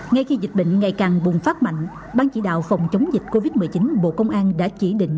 ngay khi dịch bệnh ngày càng bùng phát mạnh ban chỉ đạo phòng chống dịch covid một mươi chín bộ công an đã chỉ định